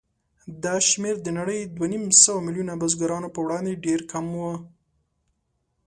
دا شمېر د نړۍ دوهنیمسوه میلیونه بزګرانو په وړاندې ډېر کم و.